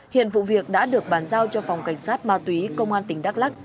hiện vụ việc đã được bàn giao cho phòng cảnh sát ma túy công an tỉnh đắk lắc